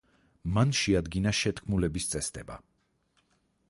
მან შეადგინა შეთქმულების წესდება.